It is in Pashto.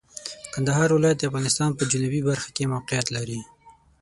کندهار ولایت د افغانستان په جنوبي برخه کې موقعیت لري.